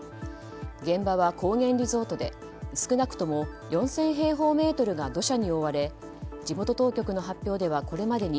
現場は高原リゾートで少なくとも４０００平方メートルが土砂に覆われ地元当局の発表では、これまでに